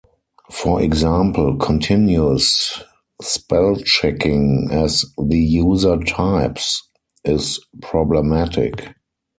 For example, continuous spell-checking as the user types is problematic.